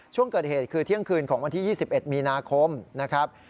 ช่วงเกิดเหตุคือเที่ยงคืนของวันที่๒๑มีนาคมนะครับ